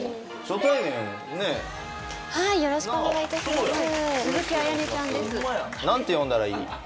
はい。